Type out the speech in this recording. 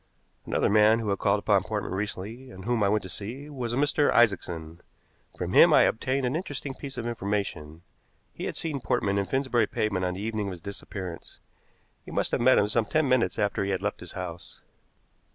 Another man who had called upon Portman recently, and whom I went to see, was a Mr. Isaacson. From him I obtained an interesting piece of information. He had seen Portman in Finsbury Pavement on the evening of his disappearance. He must have met him some ten minutes after he had left his house.